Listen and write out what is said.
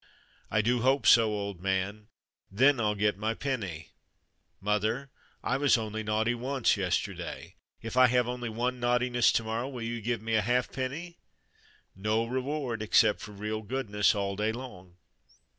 "I do hope so, old man." "Then I'll get my penny. Mother, I was only naughty once yesterday; if I have only one naughtiness to morrow, will you give me a halfpenny?" "No reward except for real goodness all day long."